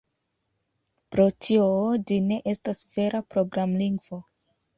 Pro tio ĝi ne estas vera programlingvo.